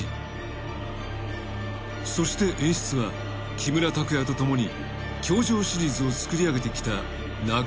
［そして演出は木村拓哉と共に『教場』シリーズをつくり上げてきた］